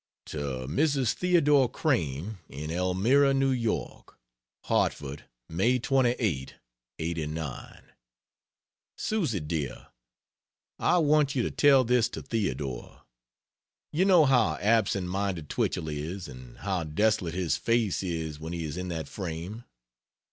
To Mrs. Theodore Crane. in Elmira, N. Y.: HARTFORD, May 28, '89. Susie dear, I want you to tell this to Theodore. You know how absent minded Twichell is, and how desolate his face is when he is in that frame.